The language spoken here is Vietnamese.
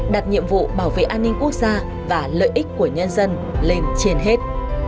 đặt nhiệm vụ bảo vệ an ninh quốc gia và lợi ích của nhân dân lên trên hết